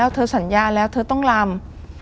เธอสัญญาแล้วเธอต้องลำ